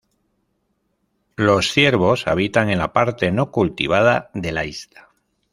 Los Ciervos habitan en la parte no cultivada de la isla.